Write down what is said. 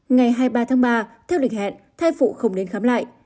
ngày hai mươi ba tháng ba theo lịch hẹn thai phụ không đến khám lại